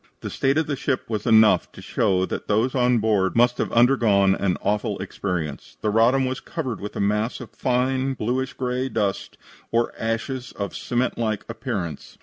The state of the ship was enough to show that those on board must have undergone an awful experience. "The Roddam was covered with a mass of fine bluish gray dust or ashes of cement like appearance.